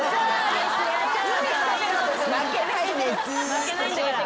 負けないです。